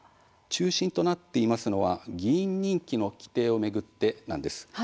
中心となっていますのは議員任期の規定を巡ってなんです。